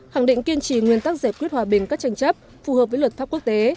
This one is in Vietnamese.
khẳng định kiên trì nguyên tắc giải quyết hòa bình các tranh chấp phù hợp với luật pháp quốc tế